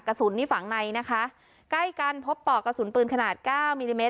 กระสุนนี่ฝังในนะคะใกล้กันพบปอกกระสุนปืนขนาดเก้ามิลลิเมต